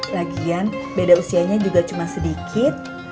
lagian beda usianya juga cuma sedikit